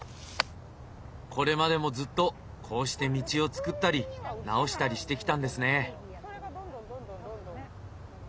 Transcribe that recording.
これまでもずっとこうして道をつくったり直したりしてきたんですね。